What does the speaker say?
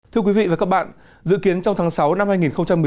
thưa quý vị và các bạn dự kiến trong tháng sáu năm hai nghìn một mươi chín